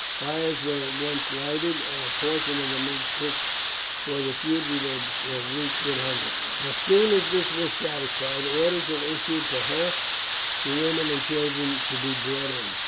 Fires were at once lighted, and a portion of the meat cooked, for the fugitives were weak with hunger. As soon as this was satisfied, orders were issued for half the women and children to be brought in.